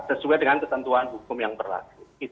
sesuai dengan ketentuan hukum yang berlaku